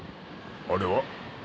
あれは？